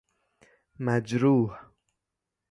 مجروح